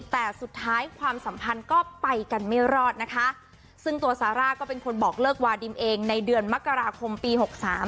แต่สุดท้ายความสัมพันธ์ก็ไปกันไม่รอดนะคะซึ่งตัวซาร่าก็เป็นคนบอกเลิกวาดิมเองในเดือนมกราคมปีหกสาม